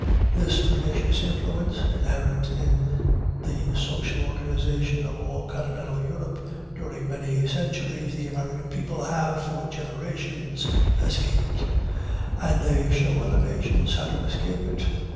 This pernicious influence, inherent in the social organization of all Continental Europe during many centuries, the American people have for generations escaped, and they show other nations how to escape it.